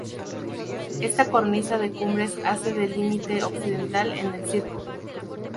Esta cornisa de cumbres hace de límite occidental en el circo.